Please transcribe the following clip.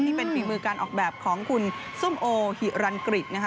นี่เป็นฝีมือการออกแบบของคุณส้มโอหิรันกฤษนะคะ